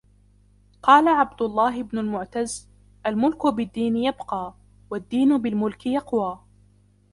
قَالَ عَبْدُ اللَّهِ بْنُ الْمُعْتَزِّ الْمُلْكُ بِالدِّينِ يَبْقَى ، وَالدِّينُ بِالْمُلْكِ يَقْوَى